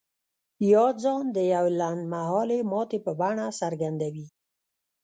يا ځان د يوې لنډ مهالې ماتې په بڼه څرګندوي.